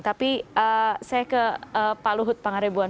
tapi saya ke pak luhut pangaribuan